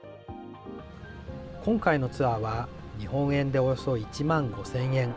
今回のツアーは日本円でおよそ１万５０００円。